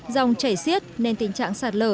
dòng chảy siết nên tình trạng sạt lở